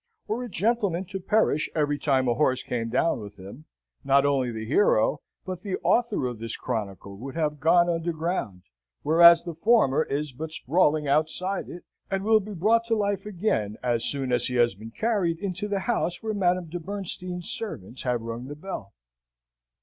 Were a gentleman to perish every time a horse came down with him, not only the hero, but the author of this chronicle would have gone under ground, whereas the former is but sprawling outside it, and will be brought to life again as soon as he has been carried into the house where Madame de Bernstein's servants have rung the bell.